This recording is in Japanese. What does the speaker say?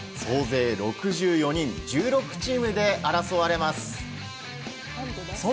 総勢６４人、１６チームで争われます。